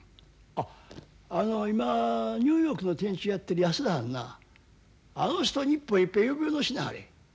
あっあの今ニューヨークの店主やってる安田はんなあの人日本へいっぺん呼び戻しなはれ。